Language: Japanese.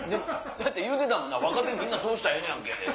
だって言うてたもんな「若手そうしたらええやんけ」。